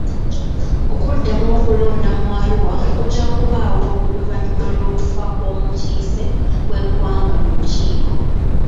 Okuddamu okulonda mu Arua kujja kubaawo oluvannyuma lw'okufa kw'omukiise w'eggwanga mu lukiiko.